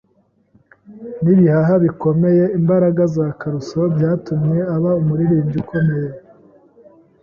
Nibihaha bikomeye-imbaraga za Caruso byatumye aba umuririmbyi ukomeye.